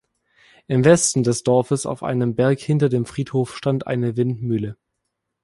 Im Westen des Dorfes auf einem Berg hinter dem Friedhof stand eine Windmühle.